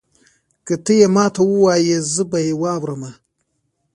که تۀ یې ماته ووایي زه به یې واورمه.